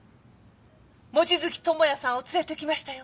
望月友也さんを連れてきましたよ。